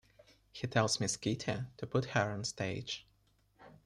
He tells Miss Kitty to put her on stage.